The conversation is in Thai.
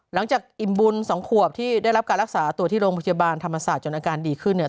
อิ่มบุญสองขวบที่ได้รับการรักษาตัวที่โรงพยาบาลธรรมศาสตร์จนอาการดีขึ้นเนี่ย